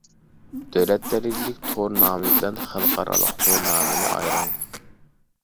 دۆلەت دەرىجىلىك تور نامى بىلەن خەلقئارالىق تور نامىنى ئايرىڭ.